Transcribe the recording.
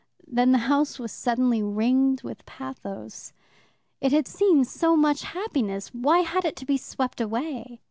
Then the house was suddenly ringed with pathos. It had seen so much happiness. Why had it to be swept away?